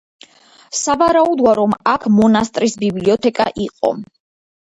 სავარაუდოა, რომ აქ მონასტრის ბიბლიოთეკა იყო.